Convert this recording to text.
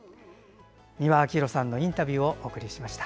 美輪明宏さんのインタビューをお送りしました。